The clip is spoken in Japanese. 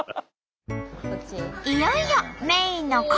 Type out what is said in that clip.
いよいよメインの鯉。